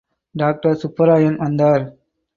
Doctor Subbarayan வந்தார்.